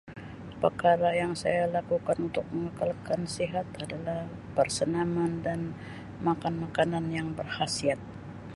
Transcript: Pekara yang saya lakukan untuk mengekalkan sihat adalah barsanaman dan makan makanan yang berkhasiat.